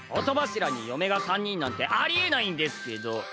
音柱に嫁が３人なんてあり得ないんですけど。